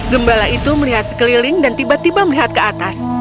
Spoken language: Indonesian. gembala itu melihat sekeliling dan tiba tiba melihat ke atas